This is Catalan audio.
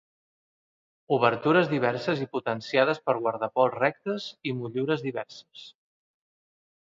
Obertures diverses i potenciades per guardapols rectes i motllures diverses.